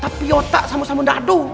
tapi otak sama sama dadu